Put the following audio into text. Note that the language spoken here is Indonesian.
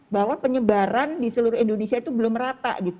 bahwa penyebaran di seluruh indonesia itu belum merata gitu